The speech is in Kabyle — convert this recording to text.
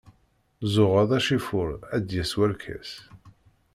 Zzuɣer acifuḍ ar d-yas warkas.